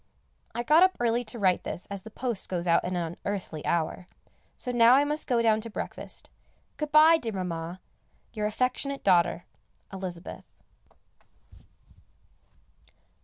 I got up early to write this as the post goes at an unearthly hour, so now I must go down to breakfast. Good bye, dear Mamma, your affectionate daughter, Elizabeth.